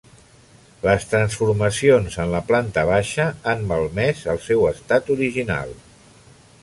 Les transformacions en la planta baixa han malmès el seu estat original.